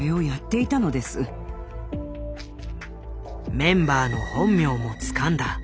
メンバーの本名もつかんだ。